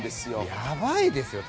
やばいですよ。